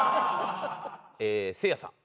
せいやさん。